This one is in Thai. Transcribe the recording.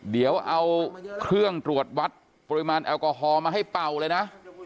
เดี๋ยวเอาเครื่องตรวจวัดปริมาณแอลกอฮอล์มาให้เป่าเลยนะ